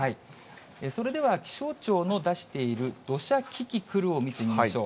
それでは気象庁の出している土砂キキクルを見てみましょう。